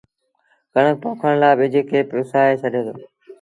ڪڻڪ پوکڻ لآ ٻج کي پُسآئي ڇڏي دو